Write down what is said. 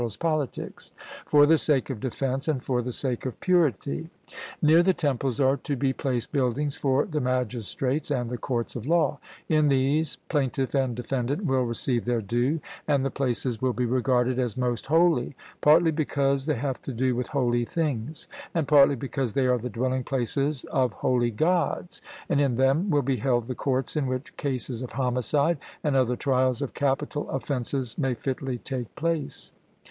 Pol.), for the sake of defence and for the sake of purity. Near the temples are to be placed buildings for the magistrates and the courts of law; in these plaintiff and defendant will receive their due, and the places will be regarded as most holy, partly because they have to do with holy things: and partly because they are the dwelling places of holy Gods: and in them will be held the courts in which cases of homicide and other trials of capital offences may fitly take place.